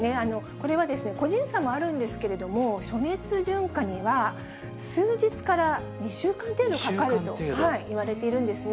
これは、個人差もあるんですけれども、暑熱順化には、数日から２週間程度かかるといわれているんですね。